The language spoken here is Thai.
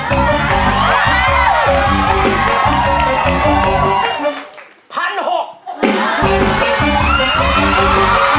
จะไปเอาเงินกินร้อย